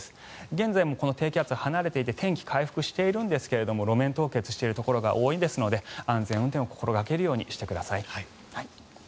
現在はもう低気圧は離れていて天気は回復しているんですが路面凍結しているところが多いですので安全運転を心掛けるようにしてください。